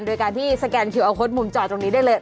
โดยการที่สแกนคิวเอาโค้ดมุมจอตรงนี้ได้เลย